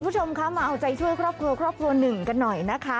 คุณผู้ชมคะมาเอาใจช่วยครอบครัวครอบครัวหนึ่งกันหน่อยนะคะ